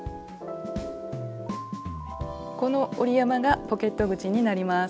この折り山がポケット口になります。